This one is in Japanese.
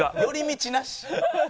寄り道なし。